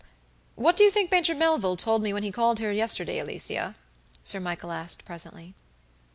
"What do you think Major Melville told me when he called here yesterday, Alicia?" Sir Michael asked, presently.